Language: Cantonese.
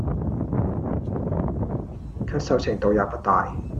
咳嗽程度也不大